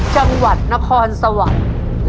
จังหวัดนครสวัสดิ์